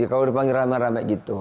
kalau dipanggil rame rame gitu